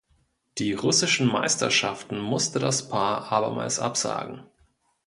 Die russischen Meisterschaften musste das Paar abermals absagen.